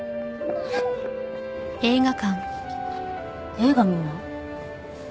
映画見るの？